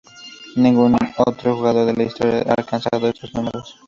Ningún otro jugador de la historia ha alcanzado estos números.